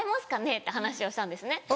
って話をしたんですね。